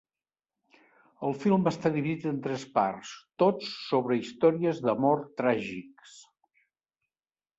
El film està dividit en tres parts, tots sobre històries d'amor tràgics.